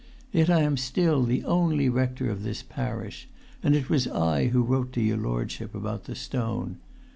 Yet I am still the only rector of this parish, and it was I who wrote to your lordship about the stone.